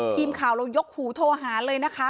ทีมข่าวเรายกหูโทรหาเลยนะคะ